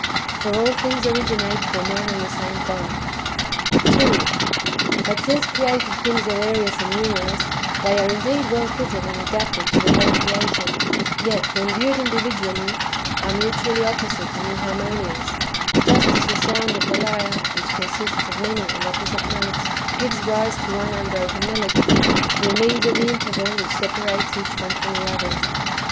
For all thino;s orio; inate from one and the same God. 2. But since created things are various and numerous, they are indeed wxll fitted and adapted to the whole creation ; yet, when viewed individually, are mutually opposite and inhar monious, just as the sound of the lyre, which consists of many and opposite notes, gives rise to one unbroken melody, through means of the interval which separates each one from the others.